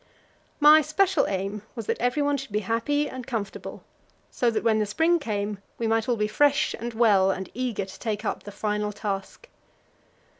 My special aim was that everyone should be happy and comfortable, so that, when the spring came, we might all be fresh and well and eager to take up the final task.